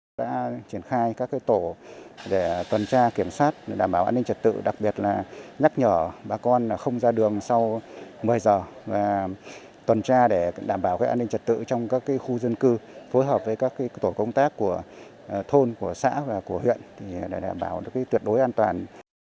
công an hải phòng đã triển khai các tổ để tuần tra kiểm soát để đảm bảo an ninh trật tự đặc biệt là nhắc nhở bà con không ra đường sau một mươi h và tuần tra để đảm bảo an ninh trật tự trong các khu dân cư phối hợp với các tổ công tác của thôn xã và huyện để đảm bảo tuyệt đối an toàn